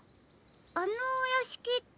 あのおやしきって。